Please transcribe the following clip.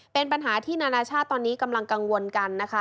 เป็นปัญหาที่นานาชาติตอนนี้กำลังกังวลกันนะคะ